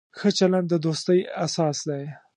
ښه چلند د دوستۍ اساس دی.